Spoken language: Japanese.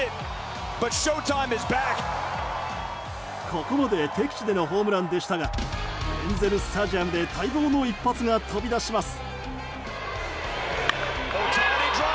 ここまで敵地でのホームランでしたがエンゼル・スタジアムで待望の一発が飛び出します。